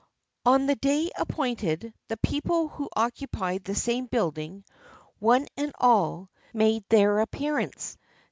On the day appointed, the people who occupied the same building, one and all, made their appearance.